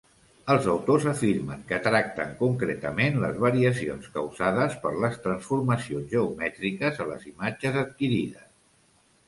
Els autors afirmen que tracten concretament les variacions causades per les transformacions geomètriques a les imatges adquirides.